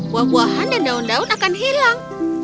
buah buahan dan daun daun akan hilang